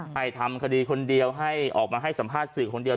ให้ทำคดีคนเดียวให้ออกมาให้สัมภาษณ์สื่อคนเดียว